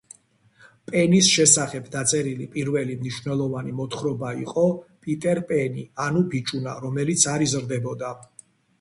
პენის შესახებ დაწერილი პირველი მნიშვნელოვანი მოთხრობა იყო „პიტერ პენი, ანუ ბიჭუნა, რომელიც არ იზრდებოდა“.